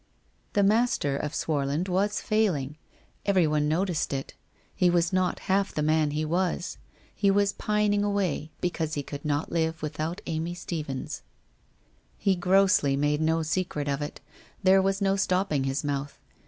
The master of Swarland was failing. Everyone noticed it. He was not half the man he was. He was pining away because he could not live without Amy Stephens. 386 WHITE ROSE OF WEARY LEAF 387 He grossly made no secret of it. There was no stopping his mouth.